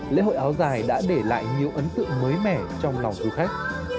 lễ hội áo dài đã để lại nhiều ấn tượng mới mẻ trong lòng du khách